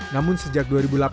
namun sejak dua ribu delapan belas